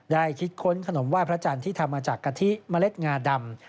คิดค้นขนมไหว้พระจันทร์ที่ทำมาจากกะทิเมล็ดงาดำ